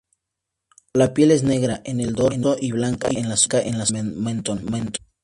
La piel, es negra en el dorso y blanca en la zona del mentón.